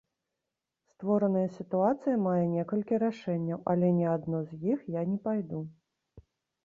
Створаная сітуацыя мае некалькі рашэнняў, але ні адно з іх я не пайду.